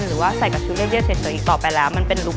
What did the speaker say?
หรือว่าใส่กับชุดเยอะเฉยอีกต่อไปแล้ว